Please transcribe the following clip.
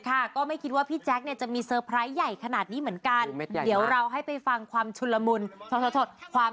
ตั้งแต่เริ่มตั้งแต่เขาจีบกันแรกแล้วเขาก็พามาฟองไถ่เขาก็มานั่งวีดกัน